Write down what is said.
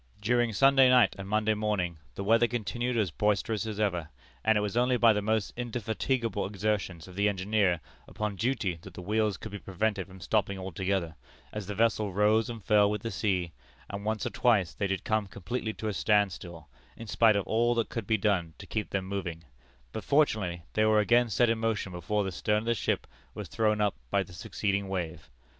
"During Sunday night and Monday morning the weather continued as boisterous as ever, and it was only by the most indefatigable exertions of the engineer upon duty that the wheels could be prevented from stopping altogether, as the vessel rose and fell with the sea, and once or twice they did come completely to a standstill, in spite of all that could be done to keep them moving; but fortunately they were again set in motion before the stern of the ship was thrown up by the succeeding wave.